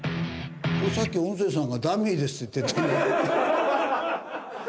これさっき音声さんがダミーですって言って付けた。